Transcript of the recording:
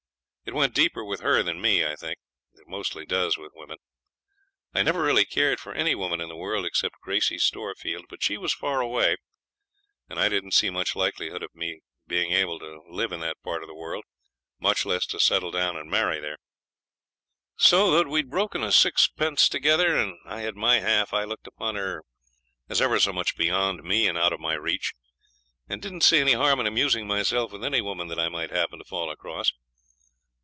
It went deeper with her than me, I think. It mostly does with women. I never really cared for any woman in the world except Gracey Storefield, but she was far away, and I didn't see much likelihood of my being able to live in that part of the world, much less to settle down and marry there. So, though we'd broken a six pence together and I had my half, I looked upon her as ever so much beyond me and out of my reach, and didn't see any harm in amusing myself with any woman that I might happen to fall across.